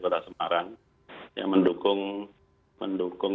kota semarang yang mendukung